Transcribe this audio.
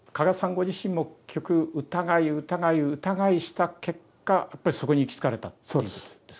ご自身も結局疑い疑い疑いした結果やっぱりそこに行き着かれたそうです。